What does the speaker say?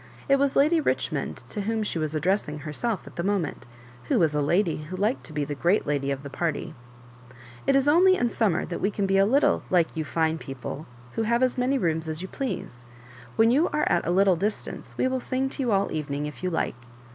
It was Lady Richmond to whom she was addressing herself at the moment, who was a lady who liked to be the great lady of the party. *' It is only in summer that we can be a little like you fine people, who have. as many rooms as you please. When you are at a little distance we will sing to you all the evening, if you like."